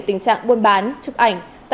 tình trạng buôn bán chụp ảnh